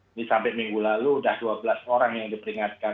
ini sampai minggu lalu sudah dua belas orang yang diperingatkan